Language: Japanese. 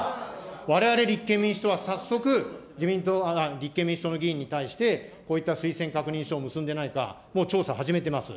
われわれ、立憲民主党は早速、立憲民主党の議員に対して、こういった推薦確認書を結んでないか、調査を始めてます。